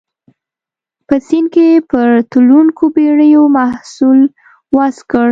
په سیند کې پر تلونکو بېړیو محصول وضع کړ.